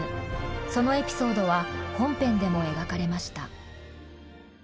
そのエピソードは本編でも描かれました。